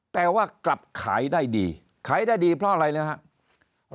แต่ว่ากลับขายได้ดีขายได้ดีเพราะอะไรนะครับ